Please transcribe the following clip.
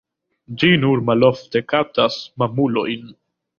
Ĝi nur malofte kaptas mamulojn.